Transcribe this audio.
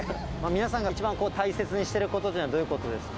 皆さんが一番大切にしていることというのは、どういうことですか？